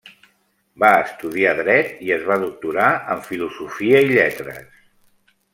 Va estudiar Dret i es va doctorar en Filosofia i Lletres.